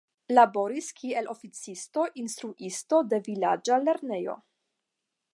Laboris kiel oficisto, instruisto de vilaĝa lernejo.